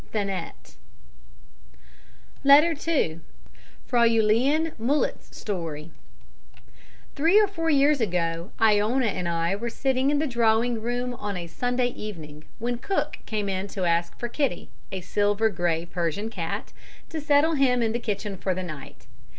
"THANET." Letter 2 Fräulein Mullet's Story Three or four years ago, Iona and I were sitting in the drawing room on a Sunday evening, when cook came in to ask for Kitty (a silver grey Persian cat) to settle him in the kitchen for the night.